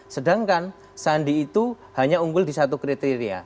sedangkan sandi itu hanya unggul di satu kriteria